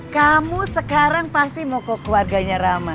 kamu sekarang pasti mau ke keluarganya rama